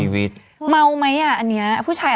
สุดท้ายสุดท้าย